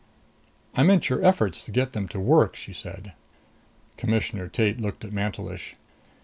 "I meant your efforts to get them to work," she said. Commissioner Tate looked at Mantelish.